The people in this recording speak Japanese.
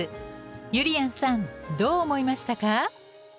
ゆりやんさんどう思いましたか？